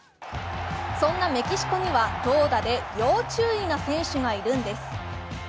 そんなメキシコには投打で要注意な選手がいるんです。